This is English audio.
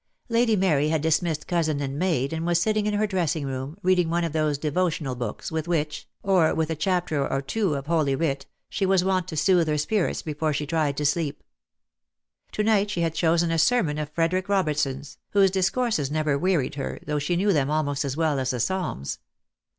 Lady Mary had dismissed cousin and maid, and was sitting in her dressing gown, reading one of those de votional books, with which, or with a chapter or two of Holy Writ, she was wont to soothe her spirits before she tried to sleep. To night she had chosen a sermon of Frederick Robertson's, whose discourses never wearied her, though she knew them almost as well as the Psalms.